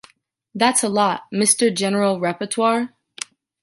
That’s a lot, mister general rapporteur.